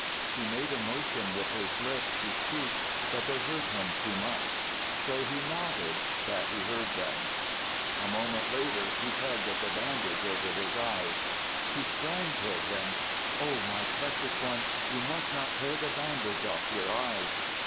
_" He made a motion with his lips to speak but they hurt him too much. So he nodded: that he heard them. A moment later he tugged at the bandage over his eyes. She sprang toward him: "O my precious one, you must not tear the bandage off your eyes!"